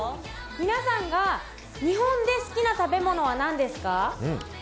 皆さんが日本で好きな食べ物は何ですか？